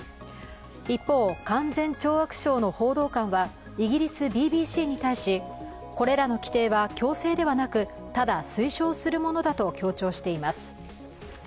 一方、勧善懲悪省の報道官はイギリスＢＢＣに対しこれらの規定は強制ではなくただ推奨するものだと強調しています。